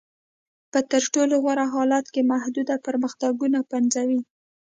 په تر ټولو غوره حالت کې محدود پرمختګونه پنځوي.